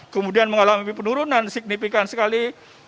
kemudian mengalami penurunan signifikan sekali